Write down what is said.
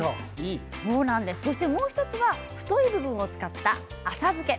そして、もう１つは太い部分を使った浅漬け。